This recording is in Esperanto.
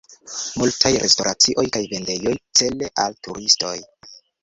Multas restoracioj kaj vendejoj cele al turistoj.